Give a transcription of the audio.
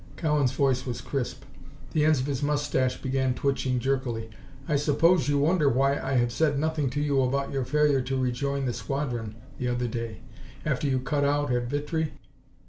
Cowan's voice was crisp. The ends of his moustache began twitching jerkily. "I suppose you wonder why I have said nothing to you about your failure to rejoin the squadron the other day after you cut out at Vitry?"